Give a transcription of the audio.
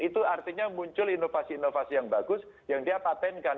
itu artinya muncul inovasi inovasi yang bagus yang dia patentkan